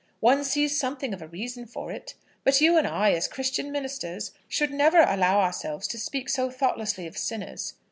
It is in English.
One sees something of a reason for it. But you and I, as Christian ministers, should never allow ourselves to speak so thoughtlessly of sinners.